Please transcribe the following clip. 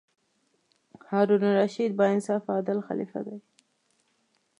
هارون الرشید با انصافه او عادل خلیفه دی.